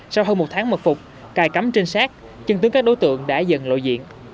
sau hơn một tháng mật phục cài cắm trinh sát chân tướng các đối tượng đã dần lộ diện